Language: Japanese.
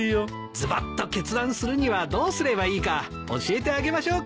ズバッと決断するにはどうすればいいか教えてあげましょうか。